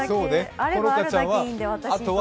あればあるだけいいんで、私は。